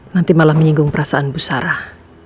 nanti malah menyinggung perasaan bu sarah